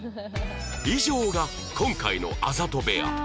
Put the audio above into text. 以上が今回のあざと部屋